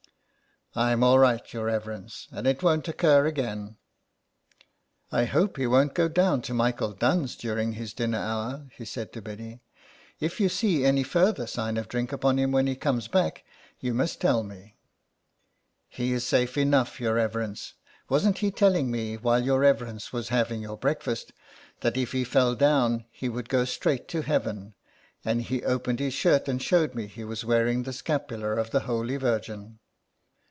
" Pm all right, your reverence, and it won't occur again." " I hope he won't go down to Michael Dunne's during his dinner hour/' he said to Biddy. " If you see any further sign of drink upon him when he comes back you must tell me." ''He is safe enough, your reverence. Wasn't he telling me" while your reverence was having your breakfast that if he fell down he would go straight to Heaven, and he opened his shirt and showed me he was wearing the scapular of the Holy Virgin."